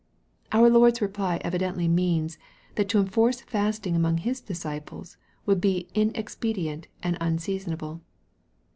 Our Lord's reply evidently means, that to enforce fasting among His disciples would be inexpedient and unseason able.